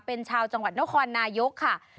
เป็นชาวจังหวัดนครนายกค่ะ